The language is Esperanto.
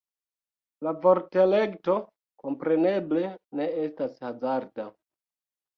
La vortelekto kompreneble ne estas hazarda.